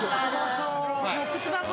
そう。